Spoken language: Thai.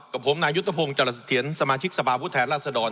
กับผมนายุทธพงศ์จรสเทียนสมาชิกสภาพฤทธิ์ราชดร